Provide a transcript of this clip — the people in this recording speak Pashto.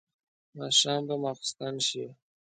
ماښام به ماخستن شي.